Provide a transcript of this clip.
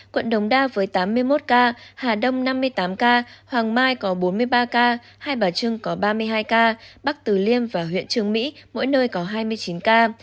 quận đồng đa với tám mươi một ca hà đông năm mươi tám ca hoàng mai có bốn mươi ba ca hai bà trưng có ba mươi hai ca bắc từ liêm và huyện trường mỹ mỗi nơi có hai mươi chín ca